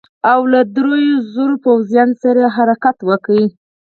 او له دریو زرو پوځیانو سره یې حرکت وکړ.